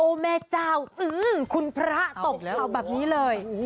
แม่เจ้าคุณพระตบเข่าแบบนี้เลย